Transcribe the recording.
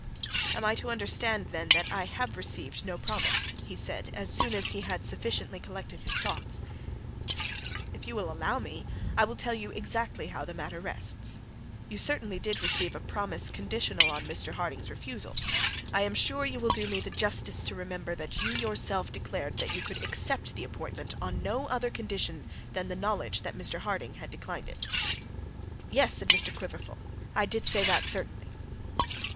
'Am I to understand, then, that I have received no promise?' he said, as soon as he had sufficiently collected his thoughts. 'If you will allow me, I will tell you exactly how the matter rests. You certainly did receive a promise conditional on Mr Harding's refusal. I am sure you will do me the justice to remember that you yourself declared that you could accept the appointment on no other condition than the knowledge that Mr Harding had declined it.' 'Yes,' said Mr Quiverful; 'I did say that, certainly.'